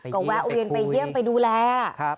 ก็แวะเวียนไปเยี่ยมไปดูแล